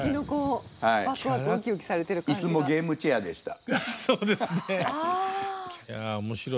イスもゲームチェアでした。